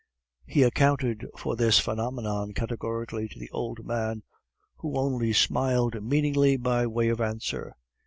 He accounted for this phenomenon categorically to the old man, who only smiled meaningly by way of answer.